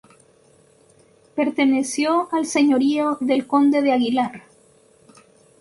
Perteneció al señorío del conde de Aguilar.